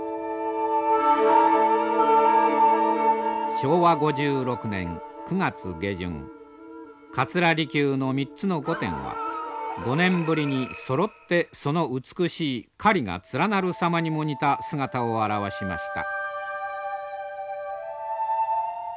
昭和５６年９月下旬桂離宮の３つの御殿は５年ぶりにそろってその美しい雁が連なる様にも似た姿をあらわしました。